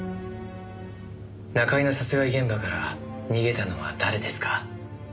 中居の殺害現場から逃げたのは誰ですか？